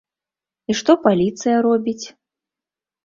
І што паліцыя робіць?